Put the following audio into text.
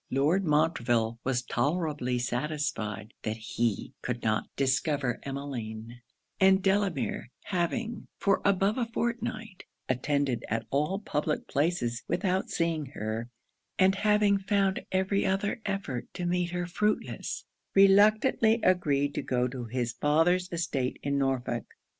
Lord Montreville was tolerably satisfied that he could not discover Emmeline; and Delamere having for above a fortnight attended at all public places without seeing her, and having found every other effort to meet her fruitless, reluctantly agreed to go to his father's estate in Norfolk.